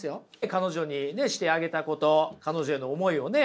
彼女にねしてあげたこと彼女への思いをね